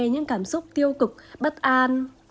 những cảm xúc tiêu cực bất an